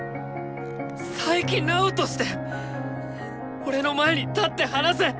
「佐伯直」として俺の前に立って話せ！